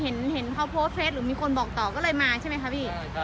แล้วนี่พี่เห็นเขาโพสเพจหรือมีคนบอกต่อก็เลยมาใช่ไหมครับพี่